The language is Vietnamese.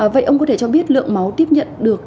vậy ông có thể cho biết lượng máu tiếp nhận được